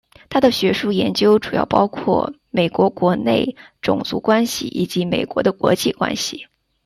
他的学术研究主要包括美国国内种族关系以及美国的国际关系。